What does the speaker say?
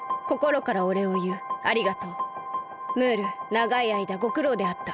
ながいあいだごくろうであった。